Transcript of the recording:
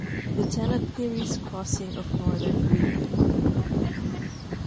Lieutenant Peary^s Crossing of Northern Greenland.